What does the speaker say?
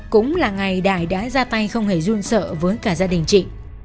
cũng là ngày đại đã ra tay không hề run sợ với cả gia đình chị